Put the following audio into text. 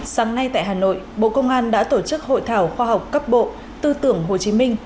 sáng nay tại hà nội bộ công an đã tổ chức hội thảo khoa học cấp bộ tư tưởng hồ chí minh